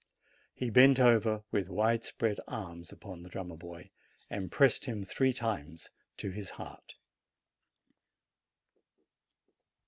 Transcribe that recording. He bent over with wide spread arms upon the drum mer boy, and pressed him three times to his heart.